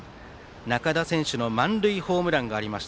仲田選手の満塁ホームランがありました。